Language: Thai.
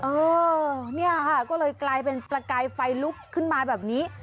เออเนี่ยค่ะก็เลยกลายเป็นประกายไฟลุกขึ้นมาแบบนี้